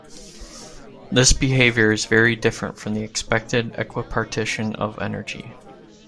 This behavior is very different from the expected equipartition of energy.